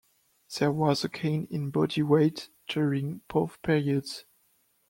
There was a gain in body weight during both periods.